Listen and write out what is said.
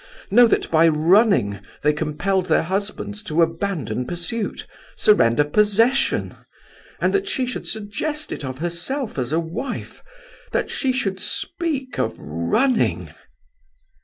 know that by running they compelled their husbands to abandon pursuit, surrender possession! and that she should suggest it of herself as a wife! that she should speak of running!